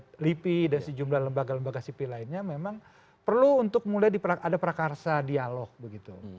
dari lipi dan sejumlah lembaga lembaga sipil lainnya memang perlu untuk mulai ada prakarsa dialog begitu